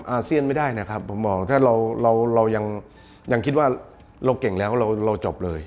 อาเซียนไม่ได้นะครับผมมองถ้าเรายังคิดว่าเราเก่งแล้วเราจบเลย